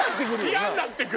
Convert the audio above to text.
嫌になって来る。